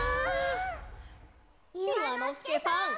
いわのすけさん。